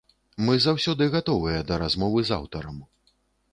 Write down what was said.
Мы заўсёды гатовыя да размовы з аўтарам.